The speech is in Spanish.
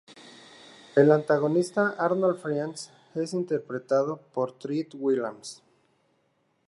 El antagonista, Arnold Friend, es interpretado por Treat Williams.